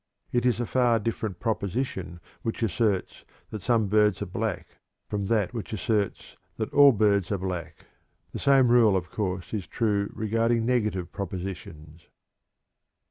It is a far different proposition which asserts that "some birds are black," from that which asserts that "all birds are black." The same rule, of course, is true regarding negative propositions.